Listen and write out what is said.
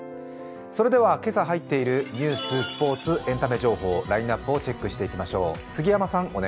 それでは今朝入っているニュース、スポーツ、エンタメ情報、ラインナップをチェックしていきましょう。